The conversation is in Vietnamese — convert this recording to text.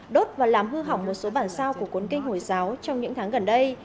đốt và làm hư hỏng một số bản sao của cuốn kinh hồi giáo trong những tháng gần đây